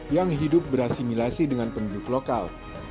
yang hidup berasimilasi dengan penduduk lokal